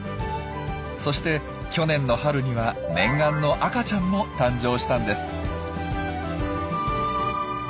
そして去年の春には念願の赤ちゃんも誕生したんです。